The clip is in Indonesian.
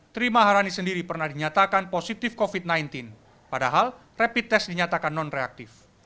tri maharani sendiri pernah dinyatakan positif covid sembilan belas padahal rapid test dinyatakan non reaktif